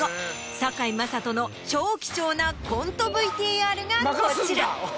堺雅人の超貴重なコントＶＴＲがこちら。